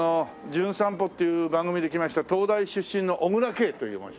『じゅん散歩』っていう番組で来ました東大出身の小椋佳という者。